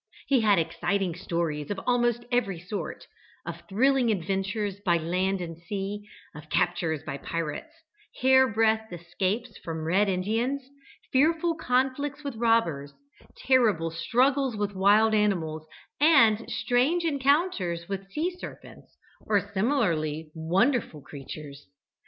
He had exciting stories of almost every sort: of thrilling adventures by land and sea, of captures by pirates, hair breadth escapes from Red Indians; fearful conflicts with robbers; terrible struggles with wild animals; and strange encounters with sea serpents or similarly wonderful creatures.